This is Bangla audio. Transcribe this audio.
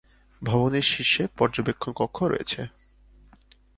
ভবনের শীর্ষে পর্যবেক্ষণ কক্ষ রয়েছে।